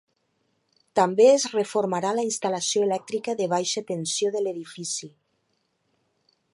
També es reformarà la instal·lació elèctrica de baixa tensió de l’edifici.